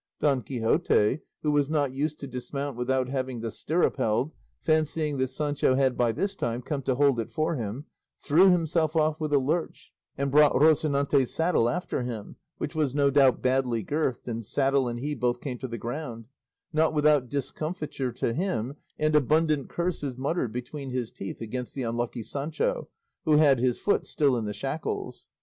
Don Quixote, who was not used to dismount without having the stirrup held, fancying that Sancho had by this time come to hold it for him, threw himself off with a lurch and brought Rocinante's saddle after him, which was no doubt badly girthed, and saddle and he both came to the ground; not without discomfiture to him and abundant curses muttered between his teeth against the unlucky Sancho, who had his foot still in the shackles.